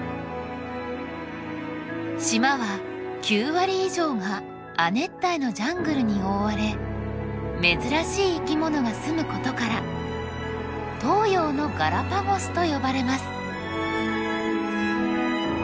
島は９割以上が亜熱帯のジャングルに覆われ珍しい生き物が住むことから東洋のガラパゴスと呼ばれます。